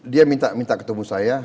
dia minta ketemu saya